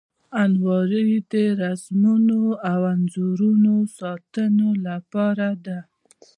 الماري د رسمونو او انځورونو ساتلو لپاره ده